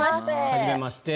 はじめまして。